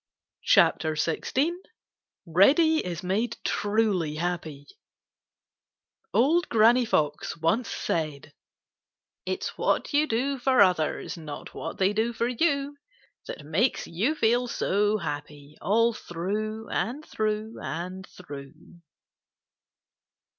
CHAPTER XVI Reddy Is Made Truly Happy It's what you do for others, Not what they do for you, That makes you feel so happy All through and through and through.